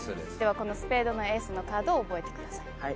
このスペードのエースのカードを覚えてください。